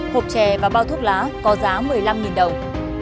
hộp chè và bao thuốc lá có giá một mươi năm đồng